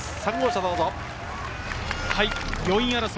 ３号車、どうぞ。